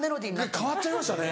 変わっちゃいましたね。